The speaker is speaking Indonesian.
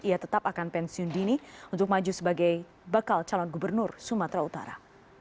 ia tetap akan pensiun dini untuk maju sebagai bakal calon gubernur sumatera utara